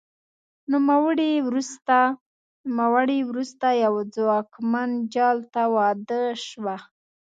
نوموړې وروسته یوه ځواکمن جال ته واده شوه